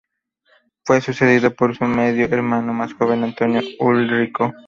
Fue sucedido por su medio-hermano más joven, Antonio Ulrico.